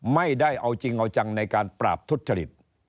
ไม่ได้เอาจริงเอาจังในการปราบทุจริต